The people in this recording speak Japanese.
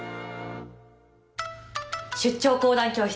出張講談教室